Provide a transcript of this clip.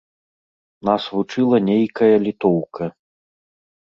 Нас вучыла нейкая літоўка.